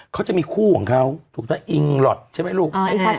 เขาจะมีคู่ของเขาถูกต้องอิงหลอทใช่ไหมลูก